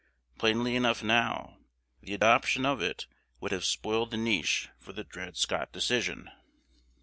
Plainly enough now: the adoption of it would have spoiled the niche for the Dred Scott Decision.